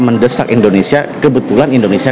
mendesak indonesia kebetulan indonesia